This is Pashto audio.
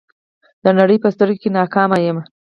د نړۍ په سترګو کې ناکامه یم.